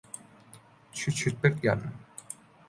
咄咄逼人